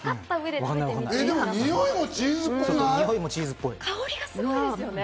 でも、においもチーズっぽくない？